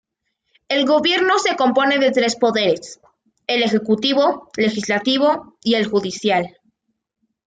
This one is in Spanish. El Gobierno se compone de tres poderes: el Ejecutivo, Legislativo, y el Judicial.